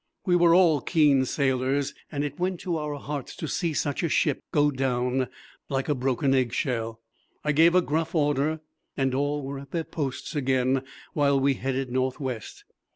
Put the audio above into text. We were all keen sailors, and it went to our hearts to see such a ship go down like a broken eggshell. I gave a gruff order, and all were at their posts again while we headed north west.